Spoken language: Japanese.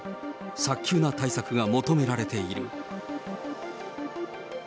早急な対策が求められている。